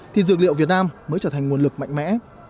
thì dược liệu việt nam mới trở thành nguồn lực mạnh mẽ